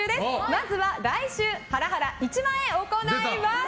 まずは来週ハラハラ１万円、行います。